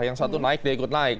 yang satu naik dia ikut naik